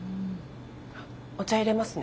お茶いれますね。